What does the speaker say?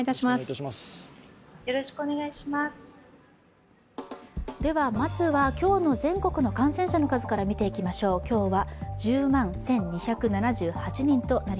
まずは、今日の全国の感染者の数から見ていきましょう。